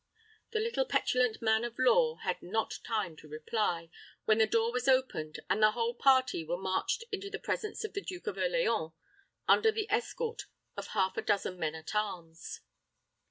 The little petulant man of law had not time to reply, when the door was opened, and the whole party were marched into the presence of the Duke of Orleans, under the escort of half a dozen men at arms.